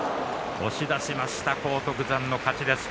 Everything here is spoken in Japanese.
押し出しました荒篤山の勝ちです。